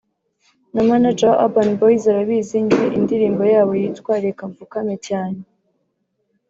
“Na manager wa Urban Boyz arabizi njye indirimbo yabo yitwa Reka mfukame cyane